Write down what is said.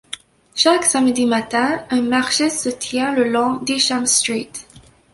Chaque samedi matin, un marché se tient le long d'Isham Street.